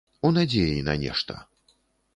У надзеі на нешта.